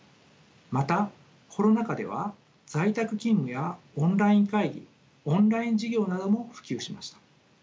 またコロナ禍では在宅勤務やオンライン会議オンライン授業なども普及しました。